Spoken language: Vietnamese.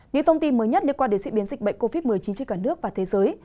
những thông tin mới nhất liên quan đến diễn biến dịch bệnh covid một mươi chín trên cả nước và thế giới